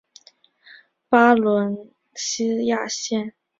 巴伦西亚县是美国新墨西哥州中西部的一个县。